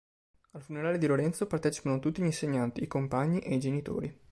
Al funerale di Lorenzo partecipano tutti gli insegnanti, i compagni e i genitori.